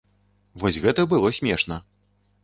Вось гэта было смешна.